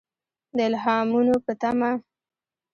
د الهامونو په تمه.